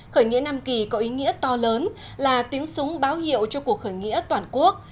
khởi nghĩa nam kỳ có ý nghĩa to lớn là tiếng súng báo hiệu cho cuộc khởi nghĩa toàn quốc